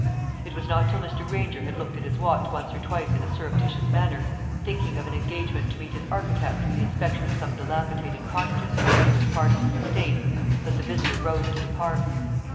It was not till Mr. Granger had looked at his watch once or twice in a surreptitious manner, thinking of an engagement to meet his architect for the inspection of some dilapidated cottages on the newest part of his estate, that the visitor rose to depart.